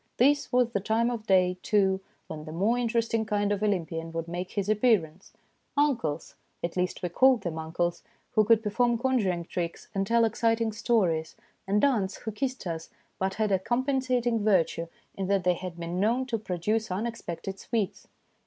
This was the time of day, too, when the more interesting kind of Olympian would make his appearance, uncles at least, we called them uncles who could perform conjuring tricks and tell exciting stories, and aunts who kissed us, but had a compensating ON GOING TO BED 139 virtue in that they had been known to pro duce unexpected sweets.